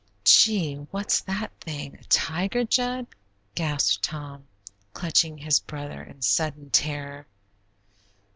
"Gee, what's that thing? A tiger, Jud?" gasped Tom, clutching his brother in sudden terror.